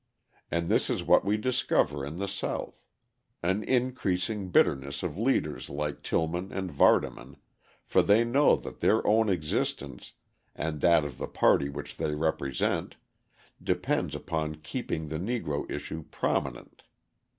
And this is what we discover in the South: an increasing bitterness of leaders like Tillman and Vardaman, for they know that their own existence and that of the party which they represent depends upon keeping the Negro issue prominent.